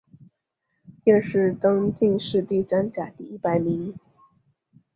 殿试登进士第三甲第一百名。